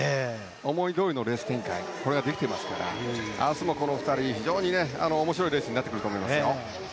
思いどおりのレース展開ができていますから明日もこの２人非常に面白いレースになってくると思いますよ。